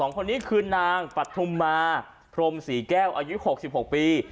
คนนี้คือนางปฐุมมาพรมศรีแก้วอายุ๖๖ปี